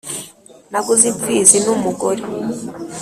naguze imfizi n’umugore